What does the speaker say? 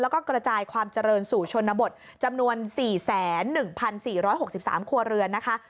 แล้วก็กระจายความเจริญสู่ชนบทจำนวน๔๑๔๖๓ครัวเรือนนะคะ